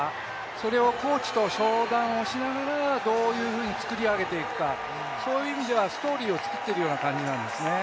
それをコーチと相談をしながらどういうふうに作り上げていくか、そういう意味ではストーリーを作っているような感じなんですね。